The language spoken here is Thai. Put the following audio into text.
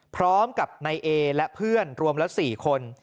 พร้อมกับนายเอและเพื่อนรวมละ๔คน